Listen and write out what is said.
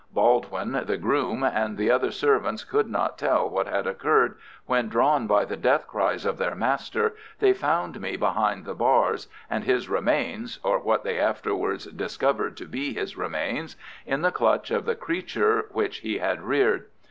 Baldwin, the groom, and the other servants could not tell what had occurred when, drawn by the death cries of their master, they found me behind the bars, and his remains—or what they afterwards discovered to be his remains—in the clutch of the creature which he had reared.